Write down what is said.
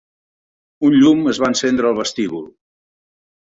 Un llum es va encendre al vestíbul.